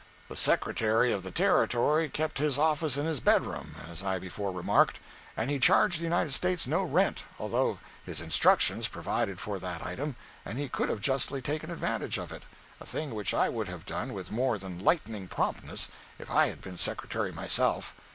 The Secretary of the Territory kept his office in his bedroom, as I before remarked; and he charged the United States no rent, although his "instructions" provided for that item and he could have justly taken advantage of it (a thing which I would have done with more than lightning promptness if I had been Secretary myself).